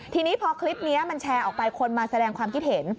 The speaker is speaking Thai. ทีนี้พอคลิปนี้มันแชร์ออกไปคนมาแสดงความคิดเห็น